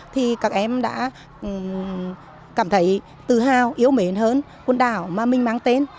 thì các em đã cảm thấy tự hào yếu mến hơn quần đảo mà mình mang tên